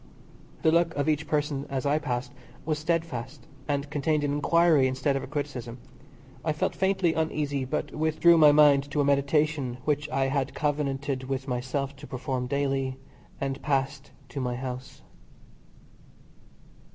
The look of each person as I passed was steadfast, and contained an enquiry instead of a criticism. I felt faintly uneasy, but withdrew my mind to a meditation which I had covenanted with myself to perform daily, and passed to my house.